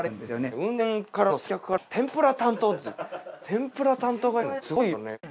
運転からの接客から天ぷら担当って天ぷら担当がいるのすごいよね。